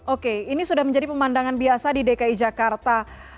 oke ini sudah menjadi pemandangan biasa di dki jakarta